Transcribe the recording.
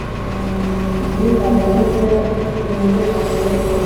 ub' imbata ze zera zinezerw' iteka.